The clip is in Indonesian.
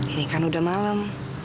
ini kan udah malem